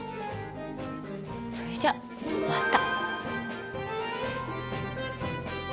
それじゃあまた。